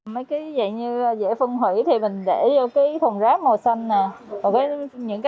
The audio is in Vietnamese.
mấy cái dạy như dễ phân hủy thì mình để vô cái thùng rác màu xanh nè